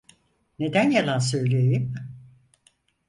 Neden yalan söyleyeyim?